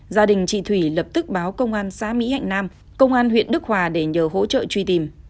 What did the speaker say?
gia đình chị thủy lập tức báo công an xã mỹ hạnh nam công an huyện đức hòa để nhờ hỗ trợ truy tìm